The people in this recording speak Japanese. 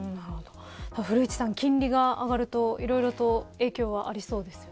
古市さん、金利が上がるといろいろと影響ありそうですよね。